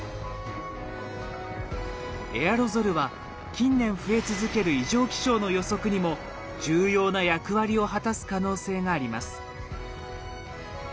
エアロゾルは近年増え続ける異常気象の予測にも重要な役割を果たす可能性があります。